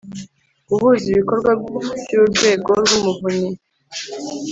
guhuza ibikorwa by’urwego rw’umuvunyi.